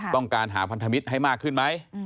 ต้องการหาพันธมิตรให้มากขึ้นไหม